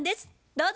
どうぞ。